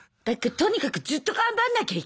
とにかくずっと頑張んなきゃいけない。